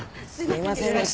すいませんでした。